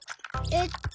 えっと。